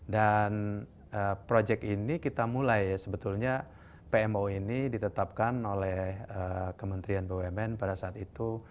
dan projek ini kita mulai ya sebetulnya pmo ini ditetapkan oleh kementrian bumn pada saat itu